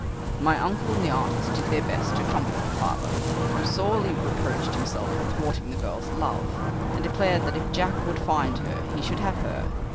My uncle and the artist did their best to comfort the father, who sorely reproached himself for thwarting the girl's love, and declared that if Jack would find her he should have her.